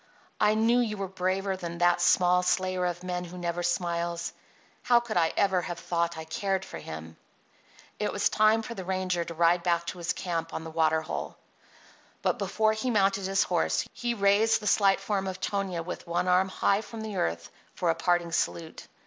"I knew you were braver than that small slayer of men who never smiles. How could I ever have thought I cared for him?" It was time for the ranger to ride back to his camp on the water hole. Before he mounted his horse he raised the slight form of Tonia with one arm high from the earth for a parting salute.